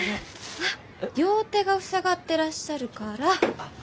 あっ両手が塞がってらっしゃるから。